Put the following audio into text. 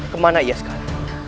kemana ia sekali